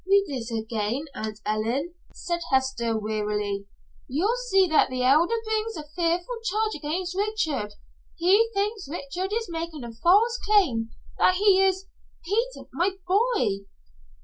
"Read it again, Aunt Ellen," said Hester, wearily. "You'll see that the Elder brings a fearful charge against Richard. He thinks Richard is making a false claim that he is Peter my boy."